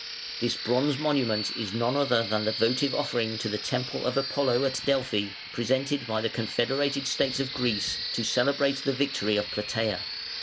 This bronze monument is none other than the votive offering to the temple of Apollo at Delphi, presented by the confederated states of Greece, to celebrate the victory of Platæa.